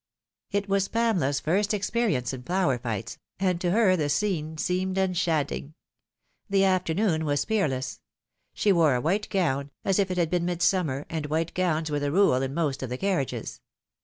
It was Pamela's first experience in flower fights, and to her the scene seemed enchanting. The afternoon was peerless. She wore a white gown, as if it had been midsummer, and white gowns were the rule in most of the carriages.